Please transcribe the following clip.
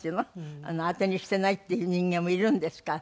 当てにしてないっていう人間もいるんですから。